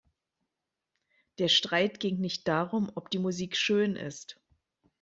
Der Streit ging nicht darum, ob die Musik schön ist.